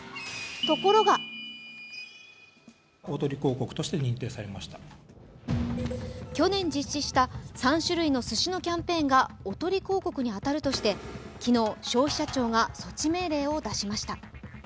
ところが去年実施した３種類のすしのキャンペーンがおとり広告に当たるとして昨日、消費者庁が措置命令を出しました。